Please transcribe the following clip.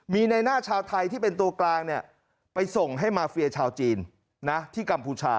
มีในหน้าชาวไทยที่เป็นตัวกลางไปส่งให้มาเฟียชาวจีนที่กัมพูชา